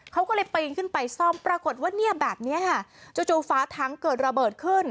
เขาก็เลยปีนขึ้นไปซ่อมปรากฏว่าเนี่ยแบบนี้ค่ะจู่ฟ้าถังเกิดระเบิดขึ้น